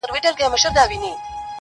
په سپینه ورځ غلو زخمي کړی تښتولی چنار-